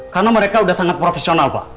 karena mereka sudah sangat profesional pak